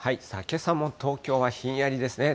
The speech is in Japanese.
けさも東京はひんやりですね。